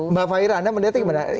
mbak faira anda melihatnya gimana